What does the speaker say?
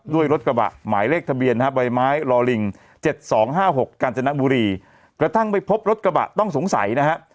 ด้วยรถกระบะหมายเลขทะเบียนนะฮะใบไม้ลอลิง๗๒๕๖กาญจนบุรีกระทั่งไปพบรถกระบะต้องสงสัยนะฮะ